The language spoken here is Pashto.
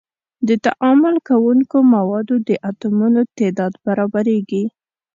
د تعامل کوونکو موادو د اتومونو تعداد برابریږي.